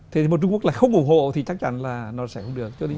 thế thì một trung quốc lại không ủng hộ thì chắc chắn là nó sẽ không được